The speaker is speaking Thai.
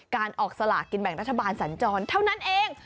การออกสลากกินแบ่งรัฐบาลสัญจรเท่านั้นเอง